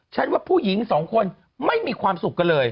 ว่าผู้หญิงสองคนไม่มีความสุขกันเลย